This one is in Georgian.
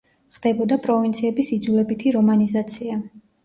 ხდებოდა პროვინციების იძულებითი რომანიზაცია.